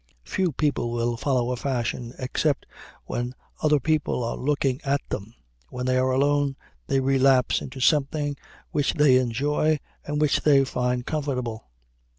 Few people will follow a fashion except when other people are looking at them. When they are alone they relapse into something which they enjoy and which they find comfortable.